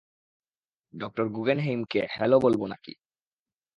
ডঃ গুগেনহেইমকে হ্যালো বলব নাকি?